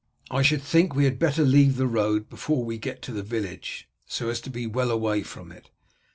"I should think we had better leave the road before we get to the village, so as to be well away from it.